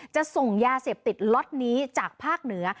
จะส่งยาเสพติดล็อตนี้จากภาคเหนือ